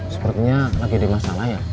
sepertinya lagi ada masalah ya